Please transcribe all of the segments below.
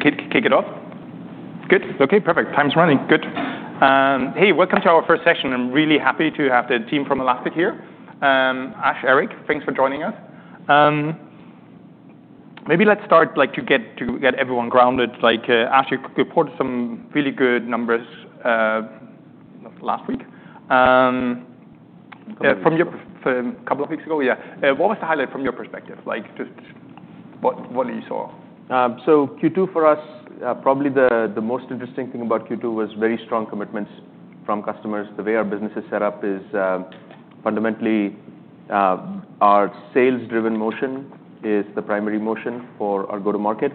Should we kick it off? Good. Okay. Perfect. Time's running. Good. Hey, welcome to our first session. I'm really happy to have the team from Elastic here. Ash, Eric, thanks for joining us. Maybe let's start, like, to get everyone grounded. Like, Ash, you reported some really good numbers last week from a couple of weeks ago, yeah. What was the highlight from your perspective? Like, just what you saw? So, Q2 for us, probably the most interesting thing about Q2 was very strong commitments from customers. The way our business is set up is, fundamentally, our sales-driven motion is the primary motion for our go-to-market.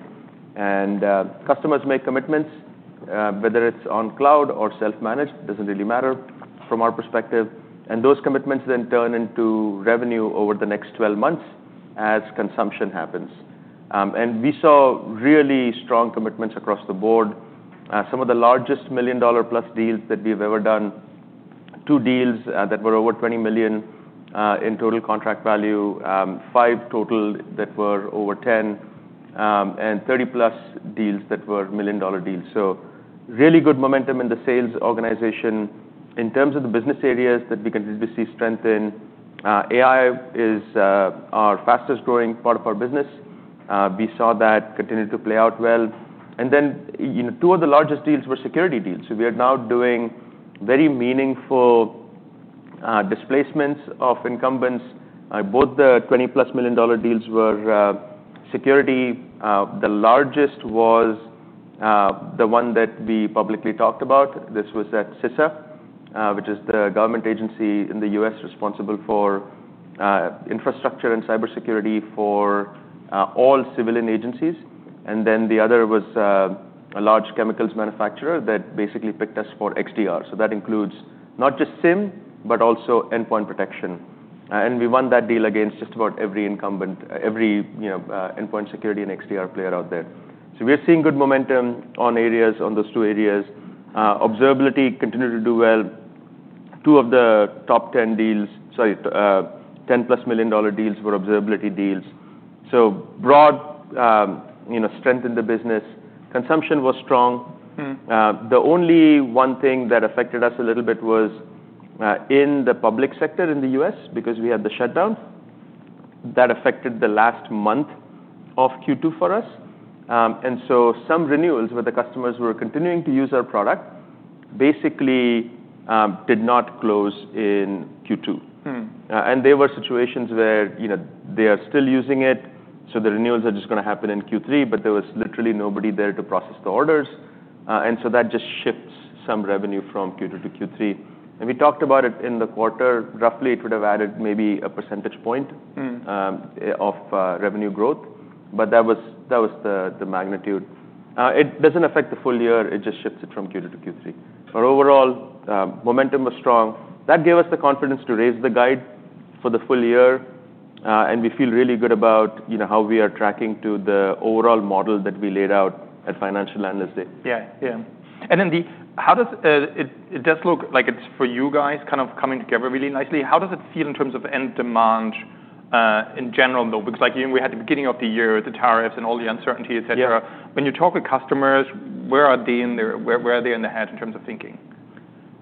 And, customers make commitments, whether it's on cloud or self-managed, doesn't really matter from our perspective. And those commitments then turn into revenue over the next 12 months as consumption happens. And we saw really strong commitments across the board. Some of the largest $1 million-plus deals that we've ever done, two deals that were over $20 million in total contract value, five total that were over $10 million, and 30-plus deals that were $1 million deals. So really good momentum in the sales organization in terms of the business areas that we continue to see strength in. AI is our fastest-growing part of our business. We saw that continue to play out well. And then, you know, two of the largest deals were security deals. So we are now doing very meaningful displacements of incumbents. Both the $20 million-plus deals were security. The largest was the one that we publicly talked about. This was at CISA, which is the government agency in the U.S. responsible for infrastructure and cybersecurity for all civilian agencies. And then the other was a large chemicals manufacturer that basically picked us for XDR. So that includes not just SIM, but also endpoint protection. And we won that deal against just about every incumbent, every, you know, endpoint security and XDR player out there. So we're seeing good momentum on areas, on those two areas. Observability continued to do well. Two of the top 10 deals, sorry, $10 million-plus deals were observability deals. So broad, you know, strength in the business. Consumption was strong. The only one thing that affected us a little bit was in the public sector in the U.S. because we had the shutdowns that affected the last month of Q2 for us. Some renewals where the customers were continuing to use our product basically did not close in Q2. There were situations where, you know, they are still using it. The renewals are just gonna happen in Q3, but there was literally nobody there to process the orders. That just shifts some revenue from Q2 to Q3. We talked about it in the quarter. Roughly, it would have added maybe a percentage point of revenue growth. That was the magnitude. It doesn't affect the full year. It just shifts it from Q2 to Q3. Overall, momentum was strong. That gave us the confidence to raise the guide for the full year, and we feel really good about, you know, how we are tracking to the overall model that we laid out at Financial Analyst Day. Yeah. Yeah. And then it does look like it's for you guys kind of coming together really nicely. How does it feel in terms of end demand, in general though? Because, like, you know, we had the beginning of the year, the tariffs and all the uncertainty, etc. Yeah. When you talk with customers, where are they in the head in terms of thinking?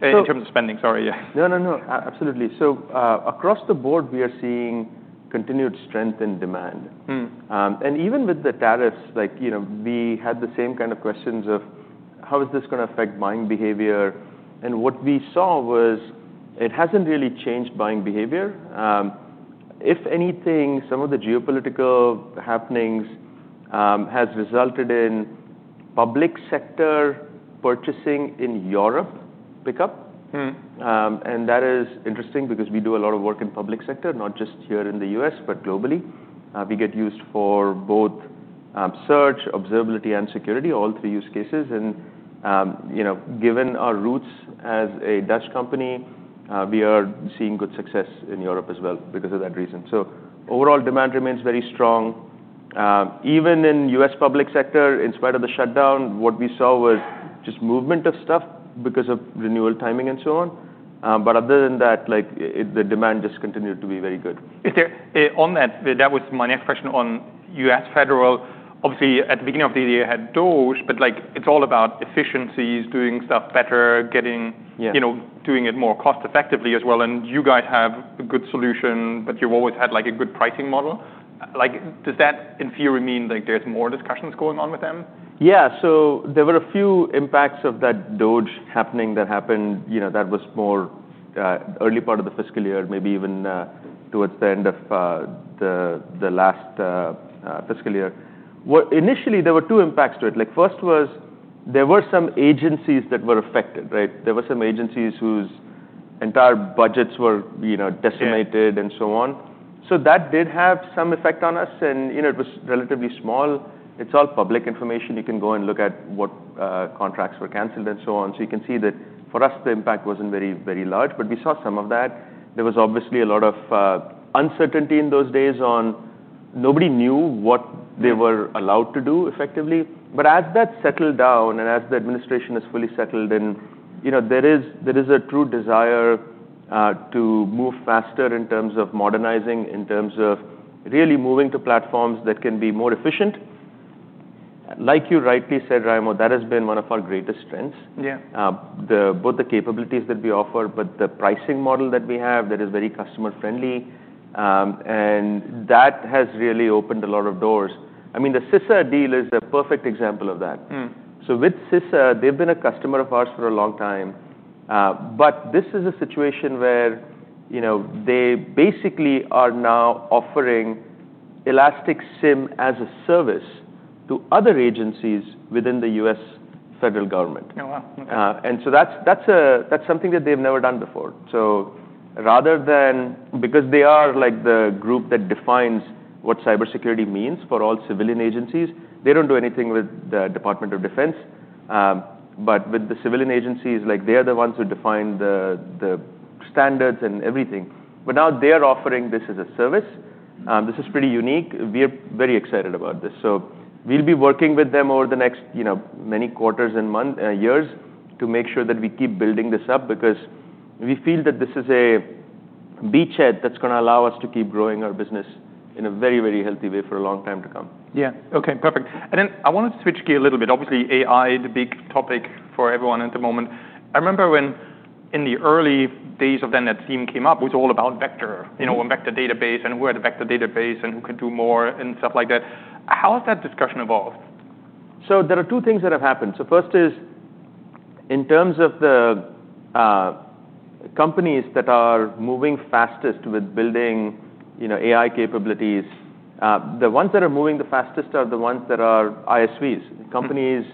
In terms of spending, sorry. Yeah. No, no, no. Absolutely, so across the board, we are seeing continued strength in demand and even with the tariffs, like, you know, we had the same kind of questions of how is this gonna affect buying behavior and what we saw was it hasn't really changed buying behavior. If anything, some of the geopolitical happenings has resulted in public sector purchasing in Europe pick up and that is interesting because we do a lot of work in public sector, not just here in the U.S., but globally. We get used for both, search, observability, and security, all three use cases and, you know, given our roots as a Dutch company, we are seeing good success in Europe as well because of that reason, so overall, demand remains very strong. Even in U.S. public sector, in spite of the shutdown, what we saw was just movement of stuff because of renewal timing and so on. But other than that, like, it, the demand just continued to be very good. Is there, on that, that was my next question on U.S. federal. Obviously, at the beginning of the year, you had DOGE, but, like, it's all about efficiencies, doing stuff better, getting. Yeah. You know, doing it more cost-effectively as well. And you guys have a good solution, but you've always had, like, a good pricing model. Like, does that in theory mean, like, there's more discussions going on with them? Yeah, so there were a few impacts of that DOGE happening, you know, that was more early part of the fiscal year, maybe even towards the end of the last fiscal year. Initially, there were two impacts to it. Like, first was there were some agencies that were affected, right? There were some agencies whose entire budgets were, you know, decimated and so on. So that did have some effect on us, and, you know, it was relatively small. It's all public information. You can go and look at what contracts were canceled and so on, so you can see that for us, the impact wasn't very, very large, but we saw some of that. There was obviously a lot of uncertainty in those days on nobody knew what they were allowed to do effectively. But as that settled down and as the administration is fully settled, and, you know, there is a true desire to move faster in terms of modernizing, in terms of really moving to platforms that can be more efficient. Like you rightly said, Raimo, that has been one of our greatest strengths. Yeah. Both the capabilities that we offer, but the pricing model that we have that is very customer-friendly, and that has really opened a lot of doors. I mean, the CISA deal is a perfect example of that. With CISA, they've been a customer of ours for a long time, but this is a situation where, you know, they basically are now offering Elastic SIEM as a service to other agencies within the U.S. federal government. Oh, wow. Okay. And so that's something that they've never done before. So rather than because they are like the group that defines what cybersecurity means for all civilian agencies, they don't do anything with the Department of Defense. But with the civilian agencies, like, they are the ones who define the standards and everything. But now they are offering this as a service. This is pretty unique. We are very excited about this. So we'll be working with them over the next, you know, many quarters and months, years to make sure that we keep building this up because we feel that this is a beachhead that's gonna allow us to keep growing our business in a very, very healthy way for a long time to come. Yeah. Okay. Perfect, and then I wanted to switch gears a little bit. Obviously, AI, the big topic for everyone at the moment. I remember when in the early days of then that theme came up. It was all about vector, you know, and vector database and where the vector database and who could do more and stuff like that. How has that discussion evolved? So there are two things that have happened. So first is in terms of the, companies that are moving fastest with building, you know, AI capabilities, the ones that are moving the fastest are the ones that are ISVs, companies,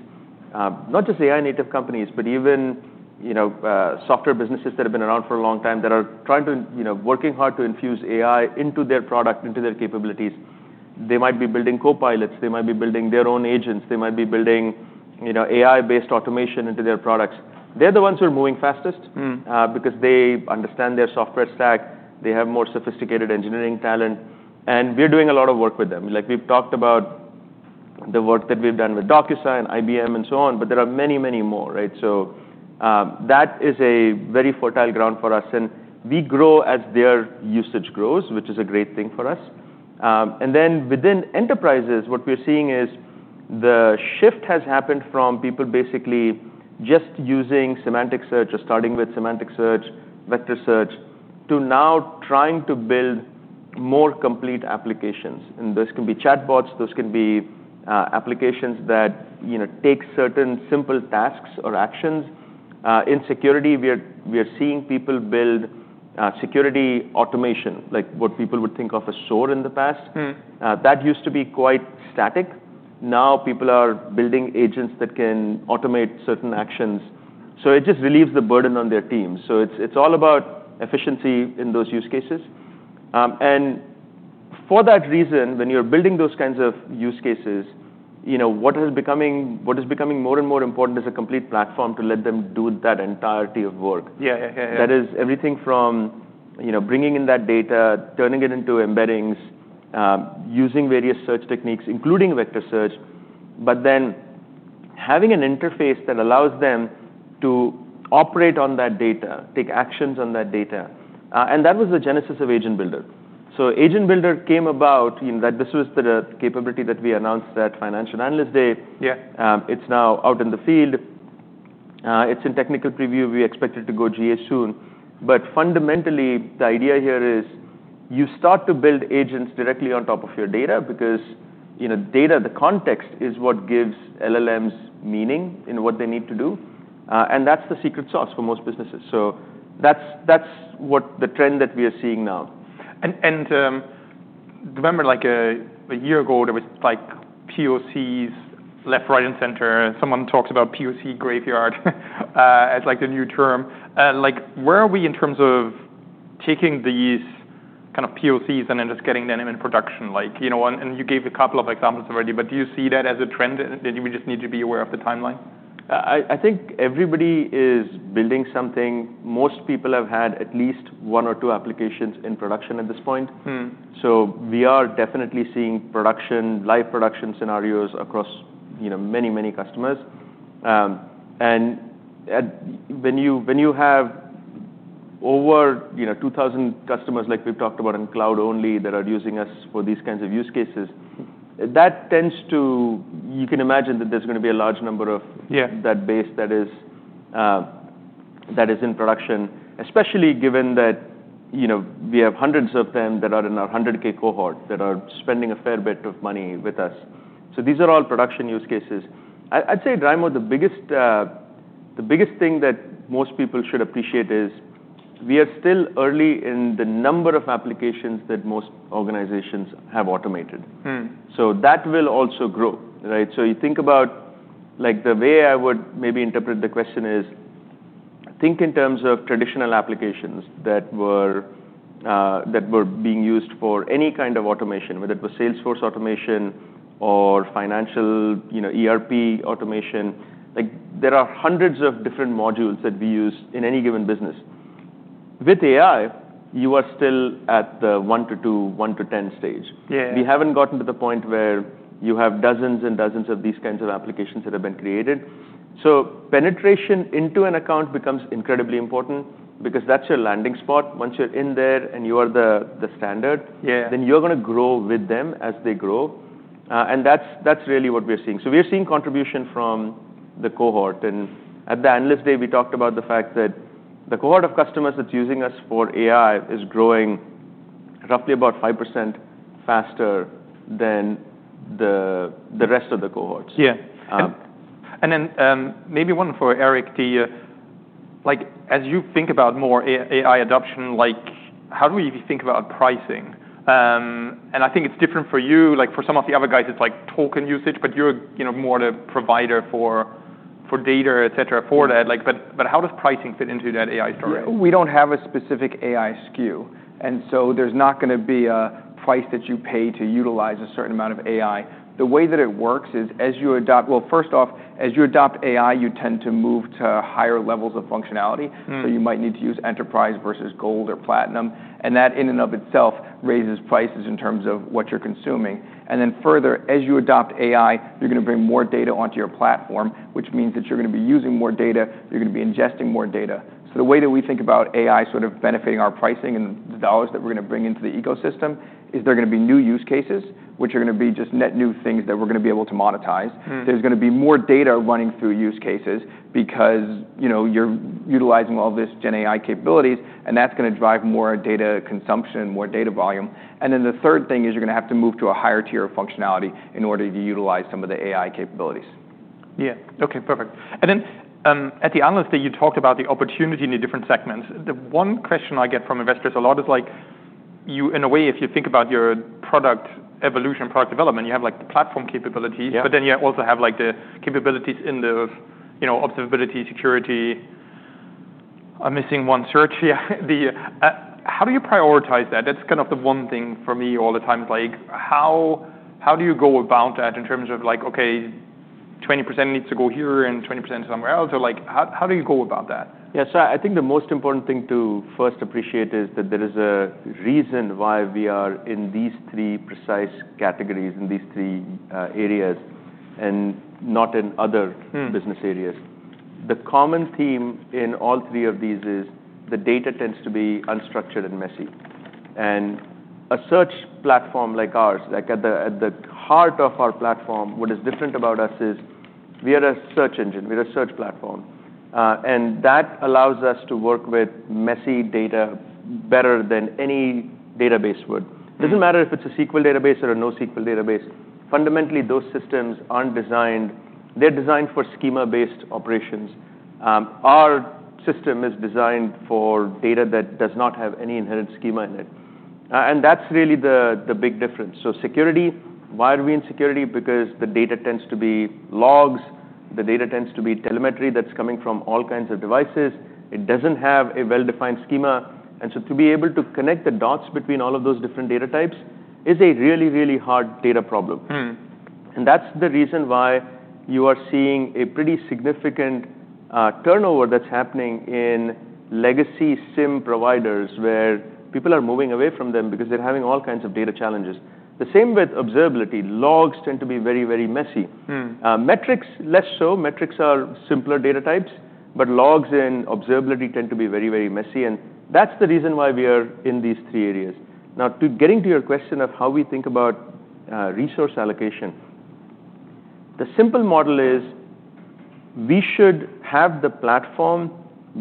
not just AI-native companies, but even, you know, software businesses that have been around for a long time that are trying to, you know, working hard to infuse AI into their product, into their capabilities. They might be building copilots. They might be building their own agents. They might be building, you know, AI-based automation into their products. They're the ones who are moving fastest. Because they understand their software stack. They have more sophisticated engineering talent. And we are doing a lot of work with them. Like, we've talked about the work that we've done with DocuSign, IBM, and so on, but there are many, many more, right? So, that is a very fertile ground for us. And we grow as their usage grows, which is a great thing for us. And then within enterprises, what we are seeing is the shift has happened from people basically just using semantic search or starting with semantic search, vector search, to now trying to build more complete applications. Those can be chatbots. Those can be applications that, you know, take certain simple tasks or actions. In security, we are seeing people build security automation, like what people would think of as SOAR in the past. That used to be quite static. Now people are building agents that can automate certain actions. So it just relieves the burden on their team. So it's all about efficiency in those use cases. And for that reason, when you're building those kinds of use cases, you know, what is becoming more and more important is a complete platform to let them do that entirety of work. Yeah. Yeah. Yeah. That is everything from, you know, bringing in that data, turning it into embeddings, using various search techniques, including vector search, but then having an interface that allows them to operate on that data, take actions on that data. And that was the genesis of Agent Builder. So Agent Builder came about, you know, that this was the capability that we announced at Financial Analyst Day. Yeah. It's now out in the field. It's in technical preview. We expect it to go GA soon. But fundamentally, the idea here is you start to build agents directly on top of your data because, you know, data, the context is what gives LLMs meaning in what they need to do, and that's the secret sauce for most businesses, so that's, that's what the trend that we are seeing now. Remember, like, a year ago, there was like POCs left, right, and center. Someone talks about POC graveyard, as like the new term. Like, where are we in terms of taking these kind of POCs and then just getting them in production? Like, you know, and you gave a couple of examples already, but do you see that as a trend, and then we just need to be aware of the timeline? I think everybody is building something. Most people have had at least one or two applications in production at this point. So we are definitely seeing production, live production scenarios across, you know, many, many customers, and when you have over, you know, 2,000 customers, like we've talked about in cloud only that are using us for these kinds of use cases, that tends to, you can imagine, that there's gonna be a large number of. Yeah. That base that is in production, especially given that, you know, we have hundreds of them that are in our 100K cohort that are spending a fair bit of money with us. So these are all production use cases. I'd say, Raimo, the biggest thing that most people should appreciate is we are still early in the number of applications that most organizations have automated. So that will also grow, right? So you think about, like, the way I would maybe interpret the question is think in terms of traditional applications that were being used for any kind of automation, whether it was Salesforce automation or financial, you know, ERP automation. Like, there are hundreds of different modules that we use in any given business. With AI, you are still at the one to two, one to 10 stage. Yeah. We haven't gotten to the point where you have dozens and dozens of these kinds of applications that have been created. So penetration into an account becomes incredibly important because that's your landing spot. Once you're in there and you are the standard. Yeah. Then you're gonna grow with them as they grow. And that's, that's really what we are seeing. So we are seeing contribution from the cohort. And at the Analyst Day, we talked about the fact that the cohort of customers that's using us for AI is growing roughly about 5% faster than the rest of the cohorts. Yeah. And then, maybe one for Eric to you, like, as you think about more AI adoption, like, how do we think about pricing? And I think it's different for you. Like, for some of the other guys, it's like token usage, but you're, you know, more of a provider for data, etc. for that. Like, but how does pricing fit into that AI story? We don't have a specific AI SKU, and so there's not gonna be a price that you pay to utilize a certain amount of AI. The way that it works is, well, first off, as you adopt AI, you tend to move to higher levels of functionality, so you might need to use enterprise versus gold or platinum, and that in and of itself raises prices in terms of what you're consuming, and then further, as you adopt AI, you're gonna bring more data onto your platform, which means that you're gonna be using more data. You're gonna be ingesting more data. So the way that we think about AI sort of benefiting our pricing and the dollars that we're gonna bring into the ecosystem is there are gonna be new use cases, which are gonna be just net new things that we're gonna be able to monetize. There's gonna be more data running through use cases because, you know, you're utilizing all this Gen AI capabilities, and that's gonna drive more data consumption, more data volume. And then the third thing is you're gonna have to move to a higher tier of functionality in order to utilize some of the AI capabilities. Yeah. Okay. Perfect. And then, at the Analyst Day, you talked about the opportunity in the different segments. The one question I get from investors a lot is like, you, in a way, if you think about your product evolution, product development, you have like the platform capabilities. Yeah. But then you also have like the capabilities in the, you know, observability, security. I'm missing one search here. How do you prioritize that? That's kind of the one thing for me all the time is like, how, how do you go about that in terms of like, okay, 20% needs to go here and 20% somewhere else? Or like, how, how do you go about that? Yeah. So I think the most important thing to first appreciate is that there is a reason why we are in these three precise categories in these three areas and not in other business areas. The common theme in all three of these is the data tends to be unstructured and messy. And a search platform like ours, like at the heart of our platform, what is different about us is we are a search engine. We're a search platform. And that allows us to work with messy data better than any database would. It doesn't matter if it's a SQL database or a NoSQL database. Fundamentally, those systems aren't designed. They're designed for schema-based operations. Our system is designed for data that does not have any inherent schema in it. And that's really the big difference. So security, why are we in security? Because the data tends to be logs. The data tends to be telemetry that's coming from all kinds of devices. It doesn't have a well-defined schema, and so to be able to connect the dots between all of those different data types is a really, really hard data problem, and that's the reason why you are seeing a pretty significant turnover that's happening in legacy SIEM providers where people are moving away from them because they're having all kinds of data challenges. The same with observability. Logs tend to be very, very messy, metrics less so. Metrics are simpler data types, but logs and observability tend to be very, very messy, and that's the reason why we are in these three areas. Now, getting to your question of how we think about resource allocation, the simple model is we should have the platform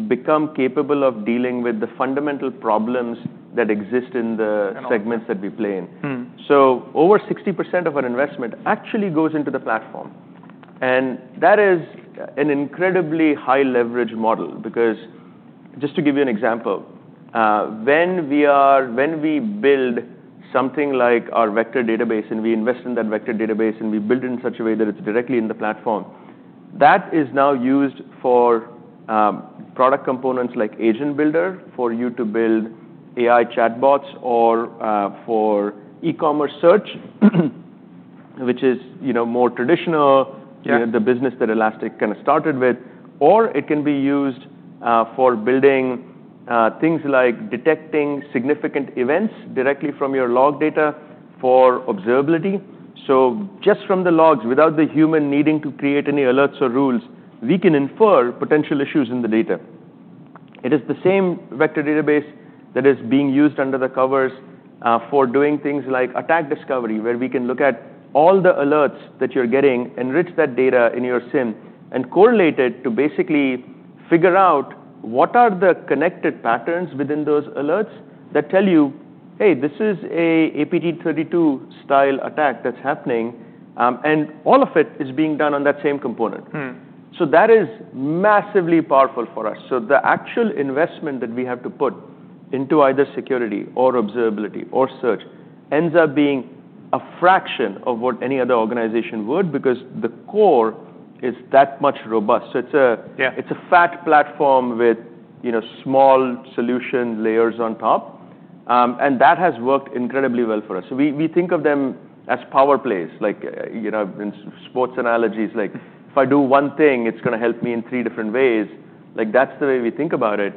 become capable of dealing with the fundamental problems that exist in the segments that we play in, so over 60% of our investment actually goes into the platform, and that is an incredibly high leverage model because just to give you an example, when we build something like our vector database and we invest in that vector database and we build it in such a way that it's directly in the platform, that is now used for product components like Agent Builder for you to build AI chatbots or for e-commerce search, which is, you know, more traditional. Yeah. The business that Elastic kind of started with, or it can be used for building things like detecting significant events directly from your log data for observability, so just from the logs, without the human needing to create any alerts or rules, we can infer potential issues in the data. It is the same vector database that is being used under the covers for doing things like attack discovery, where we can look at all the alerts that you're getting, enrich that data in your SIM, and correlate it to basically figure out what are the connected patterns within those alerts that tell you, "Hey, this is a APT32 style attack that's happening," and all of it is being done on that same component, so that is massively powerful for us. So the actual investment that we have to put into either security or observability or search ends up being a fraction of what any other organization would because the core is that much robust. So it's a. Yeah. It's a fat platform with, you know, small solution layers on top. And that has worked incredibly well for us. So we think of them as power plays, like, you know, in sports analogies, like, if I do one thing, it's gonna help me in three different ways. Like, that's the way we think about it.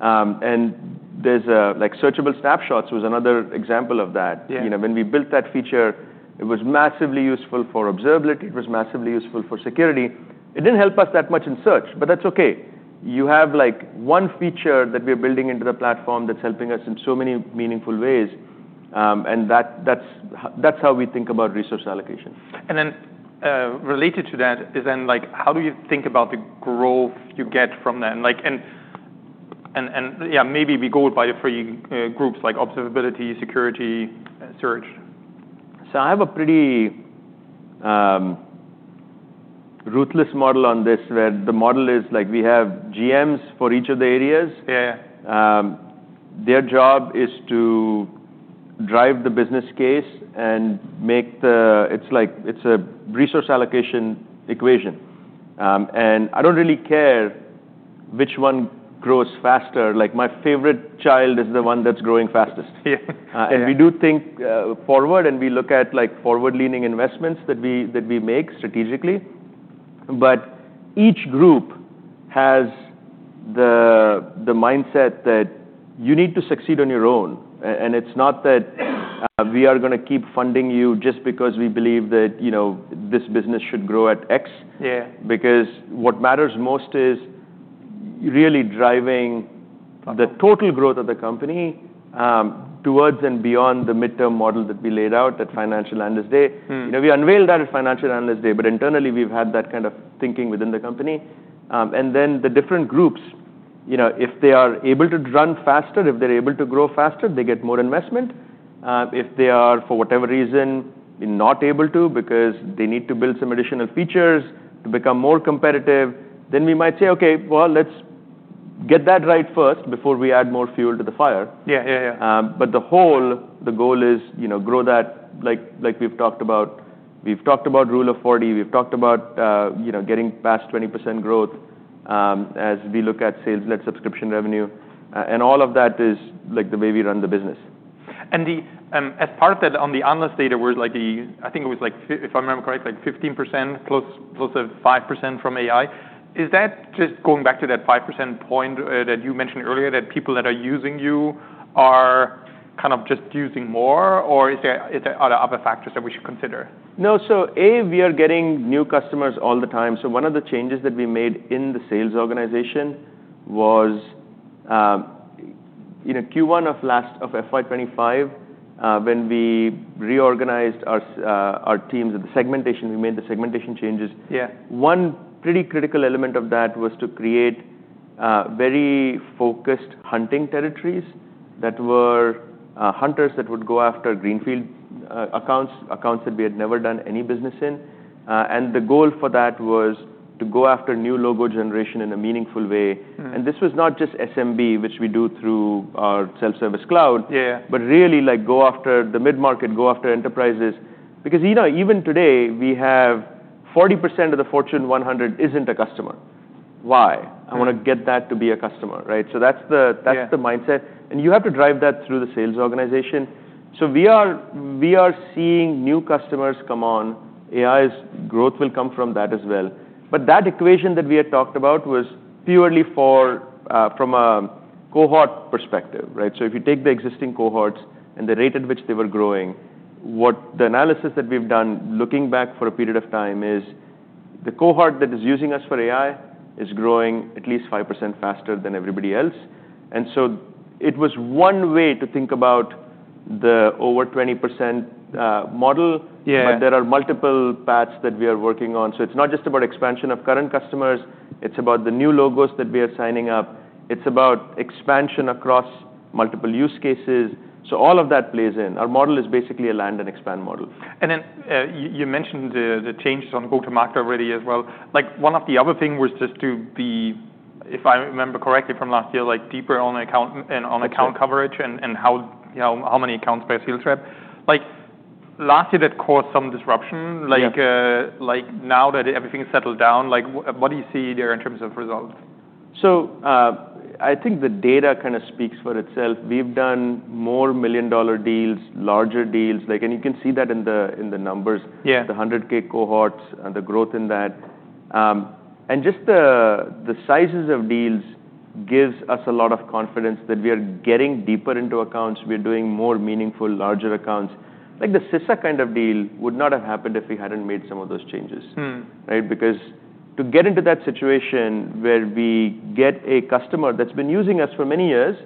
And there's, like, Searchable Snapshots was another example of that. Yeah. You know, when we built that feature, it was massively useful for observability. It was massively useful for security. It didn't help us that much in search, but that's okay. You have like one feature that we are building into the platform that's helping us in so many meaningful ways, and that's how we think about resource allocation. Related to that, like, how do you think about the growth you get from them? Like, yeah, maybe we go by the three groups like observability, security, search. So I have a pretty rootless model on this where the model is like, we have GMs for each of the areas. Yeah. Their job is to drive the business case and make the, it's like, it's a resource allocation equation, and I don't really care which one grows faster. Like, my favorite child is the one that's growing fastest. Yeah. And we do think forward and we look at like forward-leaning investments that we make strategically. But each group has the mindset that you need to succeed on your own. And it's not that we are gonna keep funding you just because we believe that, you know, this business should grow at X. Yeah. Because what matters most is really driving the total growth of the company, towards and beyond the midterm model that we laid out at Financial Analyst Day. You know, we unveiled that at Financial Analyst Day, but internally we've had that kind of thinking within the company, and then the different groups, you know, if they are able to run faster, if they're able to grow faster, they get more investment. If they are, for whatever reason, not able to because they need to build some additional features to become more competitive, then we might say, "Okay, well, let's get that right first before we add more fuel to the fire. Yeah. Yeah. Yeah. But the whole, the goal is, you know, grow that like, like we've talked about. We've talked about Rule of 40. We've talked about, you know, getting past 20% growth, as we look at sales-led subscription revenue. And all of that is like the way we run the business. As part of that, on the Analyst Day, where it's like, I think it was like, if I remember correctly, like 15%, close to 5% from AI. Is that just going back to that 5% point that you mentioned earlier, that people that are using you are kind of just using more, or is there other factors that we should consider? No. So, A, we are getting new customers all the time. So one of the changes that we made in the sales organization was, you know, Q1 of last of FY25, when we reorganized our teams and the segmentation, we made the segmentation changes. Yeah. One pretty critical element of that was to create very focused hunting territories that were hunters that would go after greenfield accounts, accounts that we had never done any business in. And the goal for that was to go after new logo generation in a meaningful way. And this was not just SMB, which we do through our self-service cloud. Yeah. But really like go after the mid-market, go after enterprises. Because, you know, even today, we have 40% of the Fortune 100 isn't a customer. Why? I wanna get that to be a customer, right? So that's the. Yeah. That's the mindset, and you have to drive that through the sales organization, so we are seeing new customers come on. AI's growth will come from that as well, but that equation that we had talked about was purely from a cohort perspective, right, so if you take the existing cohorts and the rate at which they were growing, what the analysis that we've done looking back for a period of time is the cohort that is using us for AI is growing at least 5% faster than everybody else, and so it was one way to think about the over 20% model. Yeah. But there are multiple paths that we are working on. So it's not just about expansion of current customers. It's about the new logos that we are signing up. It's about expansion across multiple use cases. So all of that plays in. Our model is basically a land and expand model. And then, you mentioned the changes on go-to-market already as well. Like, one of the other things was just to be, if I remember correctly from last year, like deeper on account and on account coverage. Yeah. How many accounts per sales rep? Like, last year that caused some disruption. Yeah. Like, like now that everything's settled down, like, what do you see there in terms of results? I think the data kind of speaks for itself. We've done more million-dollar deals, larger deals. Like, and you can see that in the numbers. Yeah. The 100K cohorts and the growth in that and just the sizes of deals gives us a lot of confidence that we are getting deeper into accounts. We are doing more meaningful, larger accounts. Like the CISA kind of deal would not have happened if we hadn't made some of those changes. Right? Because to get into that situation where we get a customer that's been using us for many years,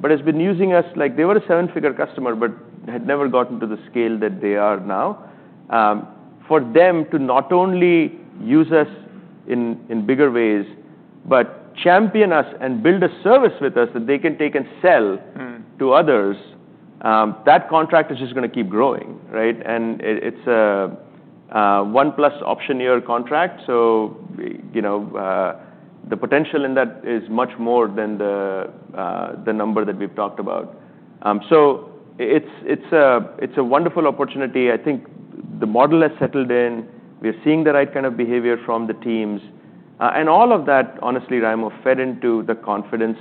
but has been using us like they were a seven-figure customer, but had never gotten to the scale that they are now, for them to not only use us in bigger ways, but champion us and build a service with us that they can take and sell to others, that contract is just gonna keep growing, right? And it's a one-plus option year contract. So, you know, the potential in that is much more than the number that we've talked about. So it's a wonderful opportunity. I think the model has settled in. We are seeing the right kind of behavior from the teams, and all of that, honestly, Raimo, fed into the confidence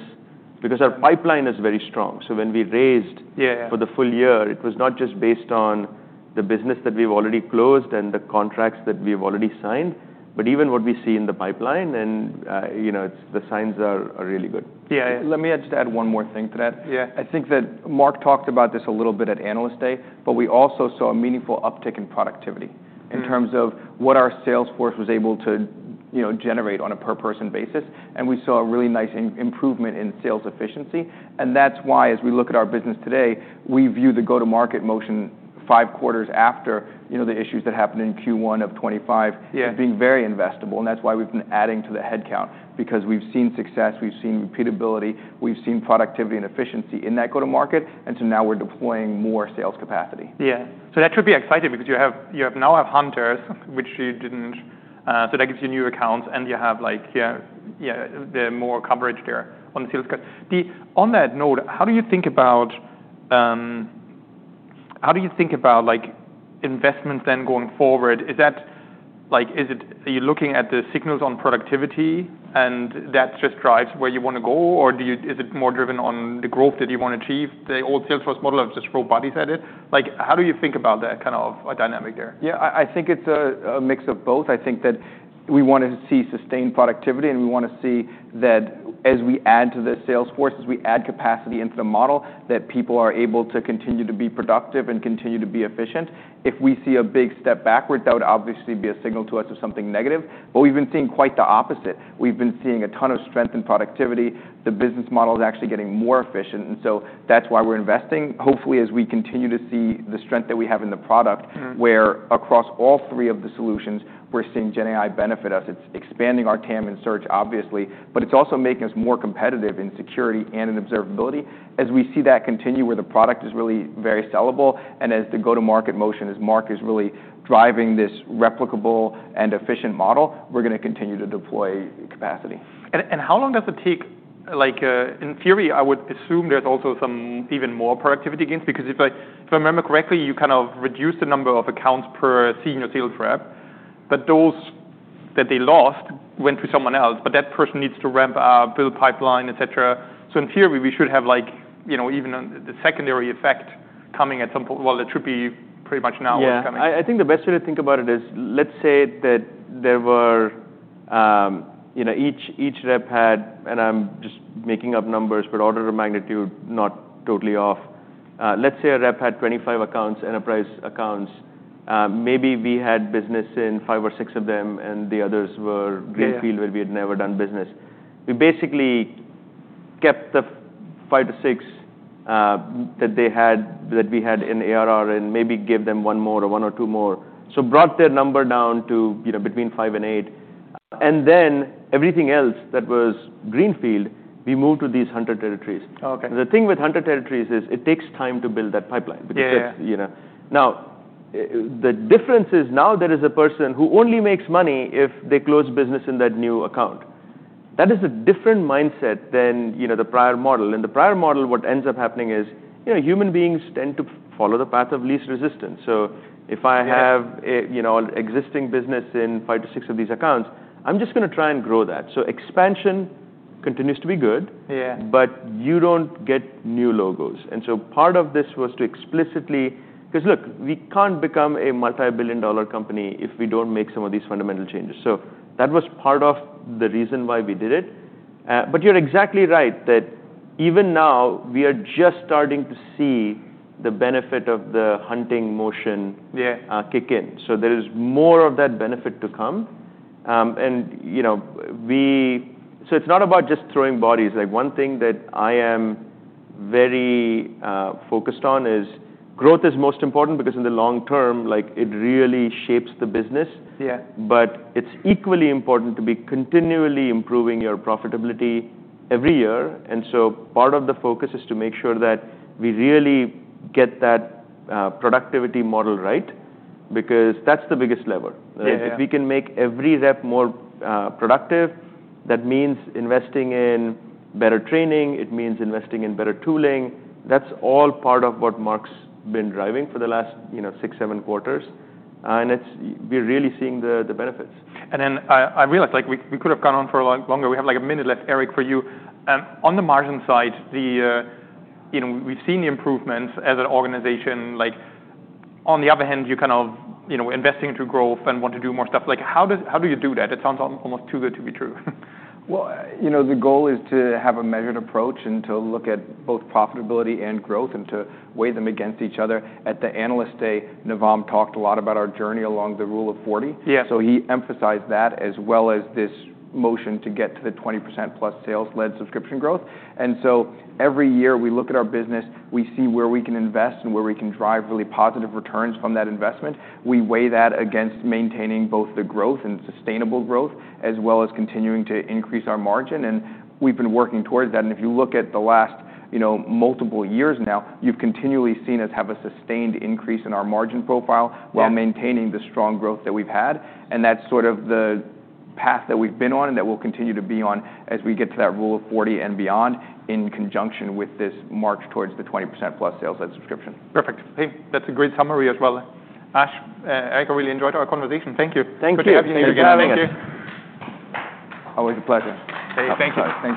because our pipeline is very strong. So when we raised. Yeah. For the full year, it was not just based on the business that we've already closed and the contracts that we've already signed, but even what we see in the pipeline and, you know, the signs are really good. Yeah. Let me just add one more thing to that. Yeah. I think that Mark talked about this a little bit at Analyst Day, but we also saw a meaningful uptick in productivity. Yeah. In terms of what our sales force was able to, you know, generate on a per-person basis. And we saw a really nice improvement in sales efficiency. And that's why, as we look at our business today, we view the go-to-market motion five quarters after, you know, the issues that happened in Q1 of 2025. Yeah. As being very investable, and that's why we've been adding to the headcount because we've seen success. We've seen repeatability. We've seen productivity and efficiency in that go-to-market, and so now we're deploying more sales capacity. Yeah. So that should be exciting because you now have hunters, which you didn't, so that gives you new accounts and you have like the more coverage there on the sales guys. On that note, how do you think about investment then going forward? Is it, are you looking at the signals on productivity and that just drives where you wanna go? Or is it more driven on the growth that you wanna achieve? The old sales force model has just throw bodies at it. Like, how do you think about that kind of dynamic there? Yeah. I think it's a mix of both. I think that we wanna see sustained productivity and we wanna see that as we add to the sales force, as we add capacity into the model, that people are able to continue to be productive and continue to be efficient. If we see a big step backward, that would obviously be a signal to us of something negative. But we've been seeing quite the opposite. We've been seeing a ton of strength in productivity. The business model is actually getting more efficient. And so that's why we're investing. Hopefully, as we continue to see the strength that we have in the product. We're across all three of the solutions, we're seeing GenAI benefit us. It's expanding our TAM and search, obviously, but it's also making us more competitive in security and in observability. As we see that continue, where the product is really very sellable and as the go-to-market motion is, Mark is really driving this replicable and efficient model, we're gonna continue to deploy capacity. How long does it take? Like, in theory, I would assume there's also some even more productivity gains because if I remember correctly, you kind of reduced the number of accounts per senior sales rep, but those that they lost went to someone else. But that person needs to ramp up, build pipeline, et cetera. So in theory, we should have like, you know, even the secondary effect coming at some point. Well, it should be pretty much now. Yeah. It's coming. I think the best way to think about it is let's say that there were, you know, each rep had, and I'm just making up numbers, but order of magnitude not totally off. Let's say a rep had 25 accounts, enterprise accounts. Maybe we had business in five or six of them and the others were greenfield. Yeah. Where we had never done business. We basically kept the five to six that they had, that we had in ARR and maybe gave them one more or one or two more. So brought their number down to, you know, between five and eight. And then everything else that was greenfield, we moved to these hunter territories. Okay. The thing with hunter territories is it takes time to build that pipeline. Yeah. Because that's, you know, now the difference is now there is a person who only makes money if they close business in that new account. That is a different mindset than, you know, the prior model. In the prior model, what ends up happening is, you know, human beings tend to follow the path of least resistance. So if I have. Yeah. You know, existing business in five to six of these accounts, I'm just gonna try and grow that. So expansion continues to be good. Yeah. But you don't get new logos. And so part of this was to explicitly, 'cause look, we can't become a multi-billion-dollar company if we don't make some of these fundamental changes. So that was part of the reason why we did it. But you're exactly right that even now we are just starting to see the benefit of the hunting motion. Yeah. Kick in so there is more of that benefit to come, and you know we so it's not about just throwing bodies. Like one thing that I am very focused on is growth is most important because in the long term, like it really shapes the business. Yeah. But it's equally important to be continually improving your profitability every year. And so part of the focus is to make sure that we really get that, productivity model right because that's the biggest lever. Yeah. If we can make every rep more productive, that means investing in better training. It means investing in better tooling. That's all part of what Mark's been driving for the last, you know, six, seven quarters, and we're really seeing the benefits. And then, I realized, like, we could have gone on for a lot longer. We have like a minute left, Eric, for you. On the margin side, you know, we've seen the improvements as an organization. Like on the other hand, you kind of, you know, investing into growth and want to do more stuff. Like, how do you do that? It sounds almost too good to be true. You know, the goal is to have a measured approach and to look at both profitability and growth and to weigh them against each other. At the Analyst Day, Navam talked a lot about our journey along the Rule of 40. Yeah. So he emphasized that as well as this motion to get to the 20% plus sales-led subscription growth. And so every year we look at our business, we see where we can invest and where we can drive really positive returns from that investment. We weigh that against maintaining both the growth and sustainable growth as well as continuing to increase our margin. And we've been working towards that. And if you look at the last, you know, multiple years now, you've continually seen us have a sustained increase in our margin profile. Yeah. While maintaining the strong growth that we've had, and that's sort of the path that we've been on and that we'll continue to be on as we get to that Rule of 40 and beyond in conjunction with this march towards the 20% plus sales-led subscription. Perfect. Hey, that's a great summary as well. Ash, Eric, I really enjoyed our conversation. Thank you. Thank you. Good to have you here again. Thank you. Thank you. Always a pleasure. Hey, thank you. All right. Bye.